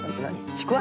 ちくわ？